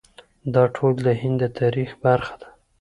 دا ټول د هند د تاریخ برخه ده.